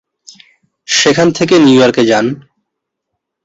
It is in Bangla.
সেখান থেকে নিউ ইয়র্কে যান।